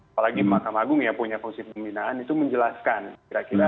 apalagi mahkamah agung ya punya fungsi pembinaan itu menjelaskan kira kira